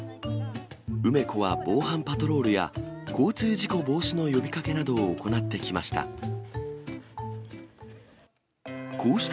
梅子は防犯パトロールや、交通事故防止の呼びかけなどを行ってきました。